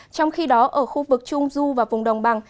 trong khi đó ở khu vực trung du và vùng đồng bằng